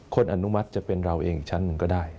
อนุมัติจะเป็นเราเองชั้นหนึ่งก็ได้